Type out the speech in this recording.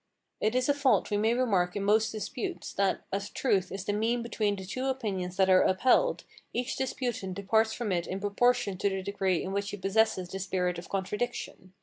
It is a fault we may remark in most disputes, that, as truth is the mean between the two opinions that are upheld, each disputant departs from it in proportion to the degree in which he possesses the spirit of contradiction.